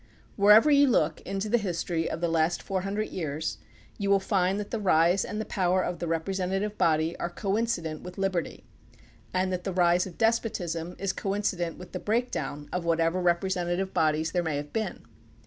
Wherever you look into the history of the last four hundred years you will find that the rise and the power of the representative body are coincident with liberty, and that the rise of despotism is coincident with the breakdown of whatever representative bodies there may have been.